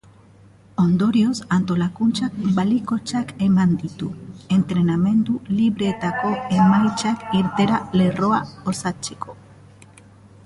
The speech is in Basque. Ondorioz, antolakuntzak balizkotzat eman ditu entrenamendu libreetako emaitzak irteera lerroa osatzeko.